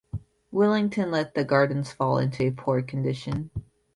Wellington let the gardens fall into a poor condition.